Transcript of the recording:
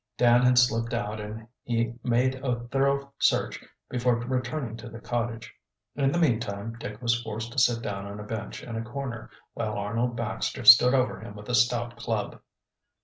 Dan had slipped out and he made a thorough search before returning to the cottage. In the meantime Dick was forced to sit down on a bench in a corner, while Arnold Baxter stood over him with a stout club.